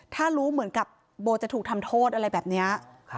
ถ้ารู้เหมือนกับโบจะถูกทำโทษอะไรแบบนี้